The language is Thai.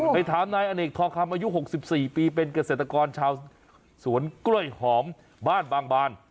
ไปถามนายอเนกทองคำอายุ๖๔ปีเป็นเกษตรกรชาวสวนกล้วยหอมบ้านบางบาน